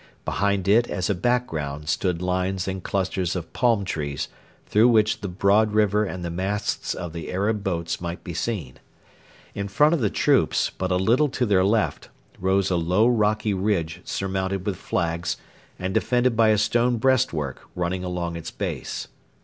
Behind it as a background stood lines and clusters of palm trees, through which the broad river and the masts of the Arab boats might be seen. In front of the troops, but a little to their left, rose a low rocky ridge surmounted with flags and defended by a stone breastwork running along its base.